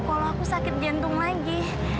kalau aku sakit jantung lagi